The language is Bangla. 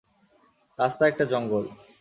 রাস্তা একটা জঙ্গল।